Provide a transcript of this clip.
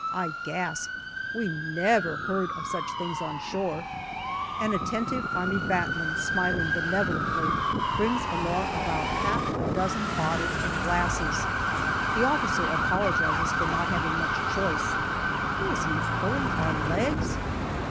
I gasp ; we never heard of such things on shore. An attentive A.B., smiling benevolently, brings along about half a dozen bottles and glasses. The officer apologizes for not having much choice. Is he pulling our legs